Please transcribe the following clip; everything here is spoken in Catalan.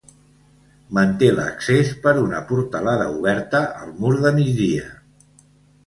Manté l'accés per una portalada oberta al mur de migdia.